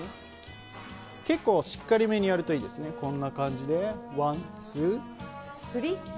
結構しっかりめにやるといいですね、こんな感じで１、２、３。